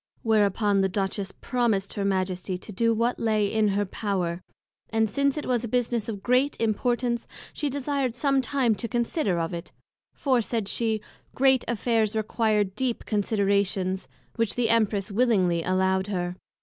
Whereupon the Duchess promised her Majesty to do what lay in her power; and since it was a business of great Importance, she desired some time to consider of it; for, said she, Great Affairs require deep Considerations; which the Empress willingly allowed her.